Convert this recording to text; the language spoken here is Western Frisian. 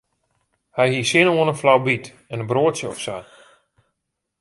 Hy hie sin oan in flaubyt, in broadsje of sa.